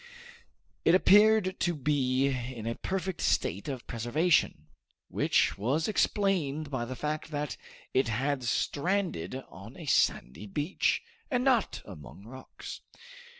It appeared to be in a perfect state of preservation, which was explained by the fact that it had stranded on a sandy beach, and not among rocks.